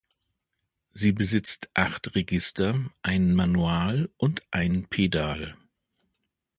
Sie besitzt acht Register, ein Manual und ein Pedal.